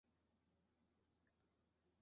民国三十年于湖北汉阳归元寺受具足戒。